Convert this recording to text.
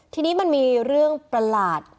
ทีนี้มันมีเรื่องประหลาด